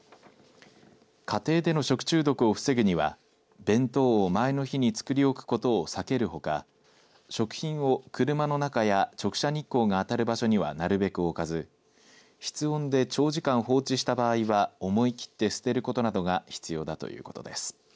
家庭での食中毒を防ぐには弁当を前の日に作り置くことを避けるほか食品を車の中や直射日光が当たる場所にはなるべく置かず室温で長時間放置した場合は思い切って捨てることなどが必要だということです。